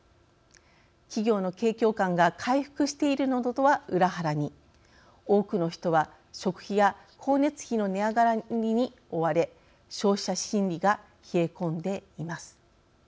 企業の景況感が回復しているのとは裏腹に多くの人は食費や光熱費の値上がりに追われ消費者心理が冷え込んでいます。